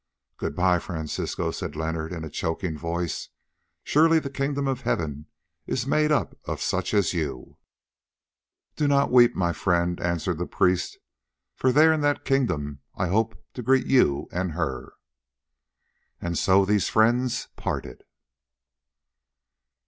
"Good bye, Francisco," said Leonard in a choking voice; "surely the Kingdom of Heaven is made up of such as you." "Do not weep, my friend," answered the priest, "for there in that kingdom I hope to greet you and her." And so these friends parted.